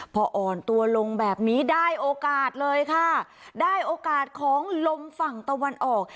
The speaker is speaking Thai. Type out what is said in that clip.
พออ่อนตัวลงแบบนี้ได้โอกาสเลยค่ะได้โอกาสของลมฝั่งตะวันออก